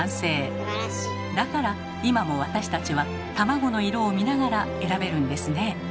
だから今も私たちは卵の色を見ながら選べるんですね。